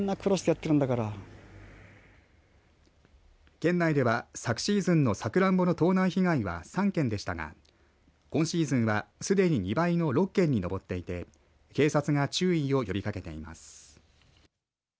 県内では、昨シーズンのさくらんぼの盗難被害は３件でしたが今シーズンは、すでに２倍の６件に上っていて警察が注意を呼びかけています。